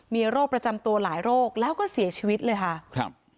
มีโรคประจำตัวหลายโรคแล้วก็เสียชีวิตเลยค่ะครับ